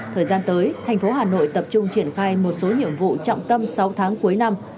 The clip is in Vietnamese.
thời gian tới thành phố hà nội tập trung triển khai một số nhiệm vụ trọng tâm sáu tháng cuối năm